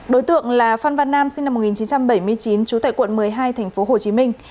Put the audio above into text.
đối tượng là phan văn nam sinh năm một nghìn chín trăm bảy mươi chín trú tại quận một mươi hai thành phố hồ chí minh